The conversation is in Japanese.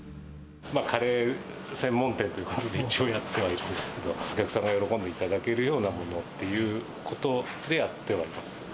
カレー専門店ということで一応やってはいるんですけど、お客さんが喜んでいただけるようなものということで、やってはいます。